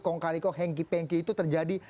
kongkaliko hengki pengki itu terjadi